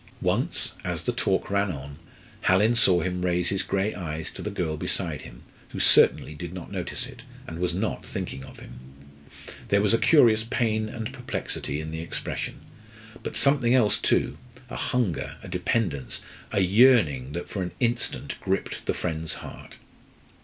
Once, as the talk ran on, Hallin saw him raise his grey eyes to the girl beside him, who certainly did not notice it, and was not thinking of him. There was a curious pain and perplexity in the expression, but something else too a hunger, a dependence, a yearning, that for an instant gripped the friend's heart.